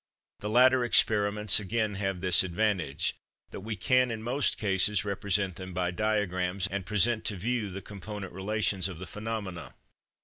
The latter experiments again have this advantage, that we can in most cases represent them by diagrams, and present to view the component relations of the phenomena.